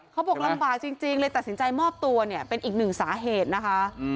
เขาบอกลำบากจริงเลยตัดสินใจมอบตัวเนี่ยเป็นอีกหนึ่งสาเหตุนะคะ